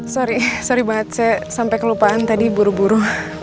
sorry sorry banget saya sampai kelupaan tadi buru buru